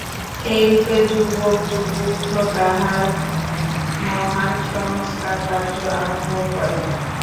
এইরূপে যুবক বুদ্ধ তাঁহার মহান সংস্কারকার্য আরম্ভ করেন।